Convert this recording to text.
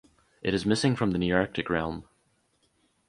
It is missing from the Nearctic realm.